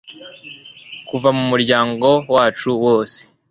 kuva mu muryango wacu wose